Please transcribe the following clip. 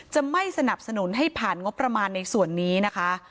จะไม่สนับสนุนให้ผ่านงบประมาณในส่วนนี้นะคะ